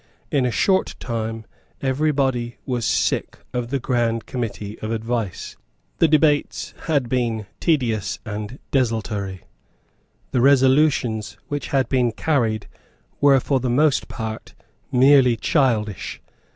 In a short time every body was sick of the Grand Committee of Advice. The debates had been tedious and desultory. The resolutions which had been carried were for the most part merely childish.